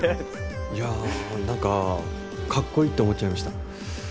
いやなんかカッコイイって思っちゃいました。